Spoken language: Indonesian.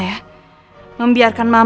mbak benar benar akan buktiin semuanya sa